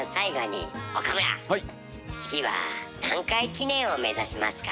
次は何回記念を目指しますか？